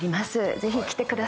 ぜひ来てください。